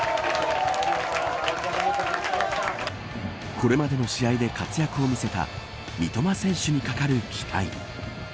これまでの試合で活躍を見せた三笘選手にかかる期待。